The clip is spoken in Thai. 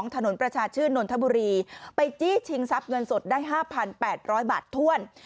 ถนนประชาชื่นนทบุรีไปจี้ชิงทรัพย์เงินสดได้๕๘๐๐บาทถ้วน